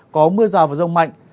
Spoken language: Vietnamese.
có mưa rào và rông mạnh